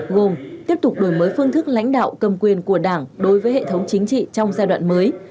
gồm tiếp tục đổi mới phương thức lãnh đạo cầm quyền của đảng đối với hệ thống chính trị trong giai đoạn mới